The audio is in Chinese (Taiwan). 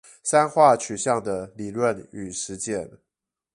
三化取向的理論與實踐